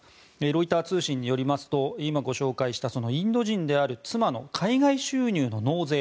ロイター通信によりますと今、ご紹介したインド人である妻の海外収入の納税